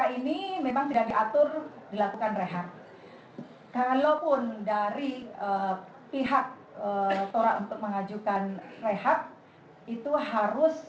ini memang tidak diatur dilakukan rehat kalaupun dari pihak torak untuk mengajukan rehat itu harus